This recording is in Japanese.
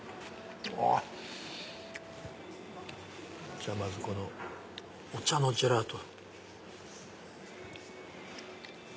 じゃあまずこのお茶のジェラート。